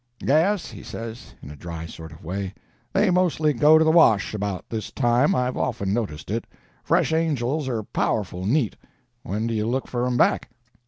"Yes," he says, in a dry sort of way, "they mostly go to the wash—about this time—I've often noticed it. Fresh angels are powerful neat. When do you look for 'em back?"